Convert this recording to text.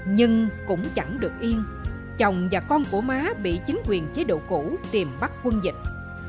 nhưng cũng chẳng được yên chồng và con của má bị chính quyền chế độ cũ tìm bắt quân dịch